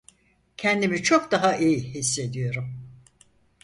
Kendimi çok daha iyi hissediyorum.